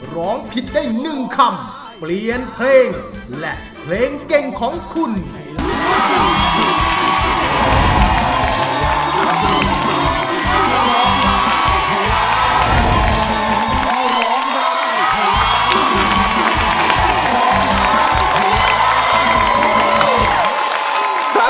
ร้องผิดได้๑คำเปลี่ยนเพลงและเพลงเก่งของคุณ